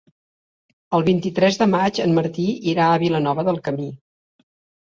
El vint-i-tres de maig en Martí irà a Vilanova del Camí.